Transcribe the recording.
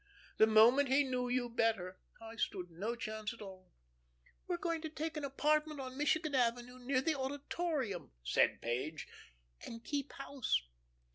The moment he knew you better, I stood no chance at all." "We're going to take an apartment on Michigan Avenue, near the Auditorium," said Page, "and keep house.